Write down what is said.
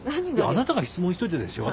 あなたが質問しといてですよ